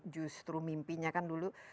justru mimpinya kan dulu